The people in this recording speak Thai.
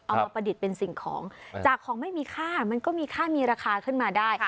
ประดิษฐ์เป็นสิ่งของจากของไม่มีค่ามันก็มีค่ามีราคาขึ้นมาได้